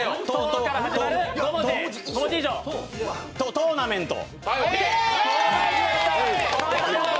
トーナメント。